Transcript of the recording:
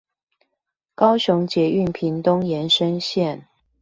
高雄捷運屏東延伸線